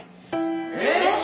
えっ⁉